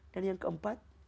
dan yang keempat